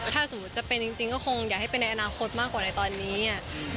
ถ้าสมมุติจะเป็นจริงก็คงอยากให้เป็นในอนาคตมากกว่าในตอนนี้